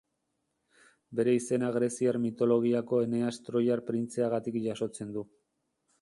Bere izena greziar mitologiako Eneas troiar printzeagatik jasotzen du.